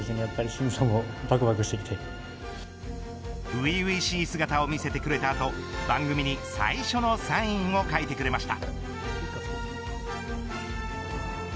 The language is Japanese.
初々しい姿を見せてくれた後番組に最初のサインを書いてくれました。